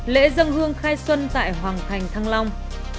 lễ dân hương khai xuân tại hoàng thành thăng long